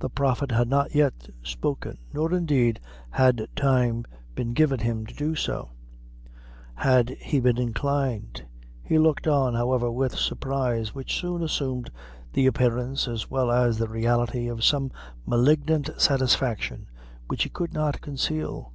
The prophet had not yet spoken; nor indeed had time been given him to do so, had he been inclined. He looked on, however, with' surprise, which soon assumed the appearance, as well as the reality, of some malignant satisfaction which he could not conceal.